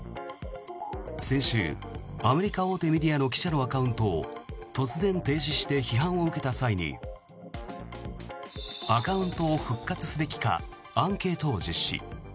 先週、アメリカ大手メディアの記者のアカウントを突然停止して批判を受けた際にアカウントを復活すべきかアンケートを実施。